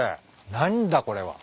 何だこれは。